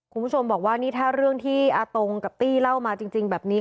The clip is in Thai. คุณผู้ชมบอกว่านี่ถ้าเรื่องที่อาตงกับตี้เล่ามาจริงแบบนี้